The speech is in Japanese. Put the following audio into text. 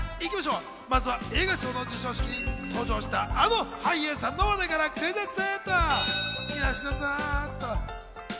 まずは映画賞の授賞式に登場した、あの俳優さんの話題からクイズッス。